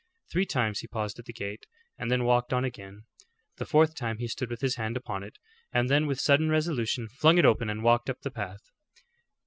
Three times he paused at the gate, and then walked on again. The fourth time he stood with his hand upon it, and then with sudden resolution flung it open and walked up the path.